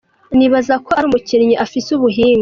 Nibaza ko ari umukinyi afise ubuhinga.